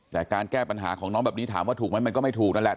แต่การแก้ปัญหาของน้องแบบนี้ถามว่าถูกไหมมันก็ไม่ถูกนั่นแหละ